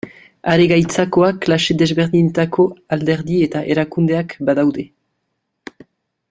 Are gaitzagoa klase desberdinetako alderdi eta erakundeak badaude.